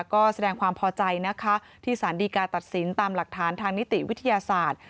ก็แสดงความพอใจนะคะที่สารดีกาตัดสินตามหลักฐานทางนิติวิทยาศาสตร์